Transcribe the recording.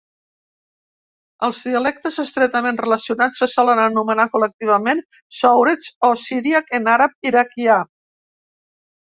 Els dialectes estretament relacionats se solen anomenar col·lectivament "Soureth", o "siríac" en àrab iraquià.